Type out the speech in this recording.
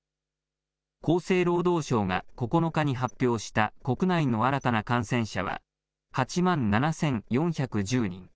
厚生労働省が９日に発表した国内の新たな感染者は、８万７４１０人。